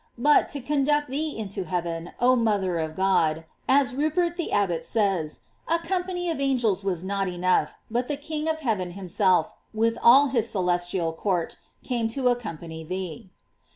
But, to conduct thee into heaven, oh mother of God, as Rupert the Abbot says, a com pany of angels was not enough, but the King of heaven himself, with all his celestial court, came to accompany thee.